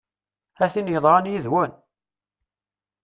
A tin yeḍran yid-wen!